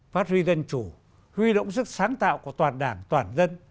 phát huy dân chủ huy động sức sáng tạo của toàn đảng toàn dân